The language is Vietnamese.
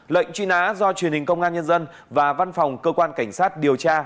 lệnh truy nã do truyền hình công an nhân dân và văn phòng cơ quan cảnh sát điều tra